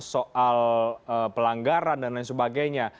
soal pelanggaran dan lain sebagainya